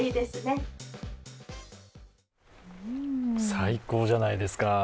最高じゃないですか。